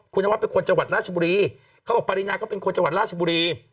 คุณนวัดเป็นคนจังหวัดราชบุรีเขาบอกปรินาก็เป็นคนจังหวัดราชบุรี